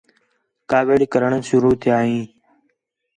کاوِڑ کرݨ شروع تِھیا ہِے